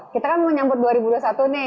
kita kan menyambut dua ribu dua puluh satu nih